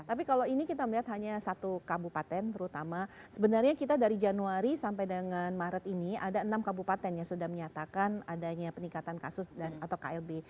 tapi kalau ini kita melihat hanya satu kabupaten terutama sebenarnya kita dari januari sampai dengan maret ini ada enam kabupaten yang sudah menyatakan adanya peningkatan kasus atau klb